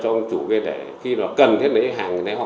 ông chủ gây để khi nó cần hết lấy hàng lấy họ